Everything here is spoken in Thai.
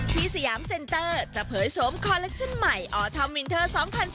สยามเซ็นเตอร์จะเผยโฉมคอเล็กชั่นใหม่ออทอมวินเทอร์๒๐๑๘